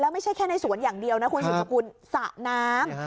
แล้วไม่ใช่แค่ในสวนอย่างเดียวนะคุณสระน้ำ